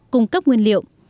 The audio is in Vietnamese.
cung cấp nguyên liệu